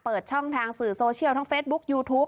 เปิดช่องทางสื่อโซเชียลทั้งเฟซบุ๊คยูทูป